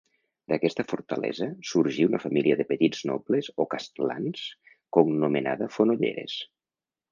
D'aquesta fortalesa sorgí una família de petits nobles o castlans cognomenada Fonolleres.